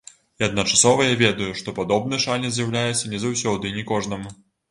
І адначасова я ведаю, што падобны шанец з'яўляецца не заўсёды і не кожнаму.